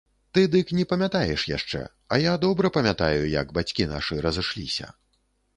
Ты дык не памятаеш яшчэ, а я добра памятаю, як бацькі нашы разышліся.